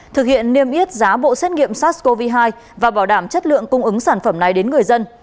thực hiện niêm yết giá bộ xét nghiệm sars cov hai và bảo đảm chất lượng cung ứng sản phẩm này đến người dân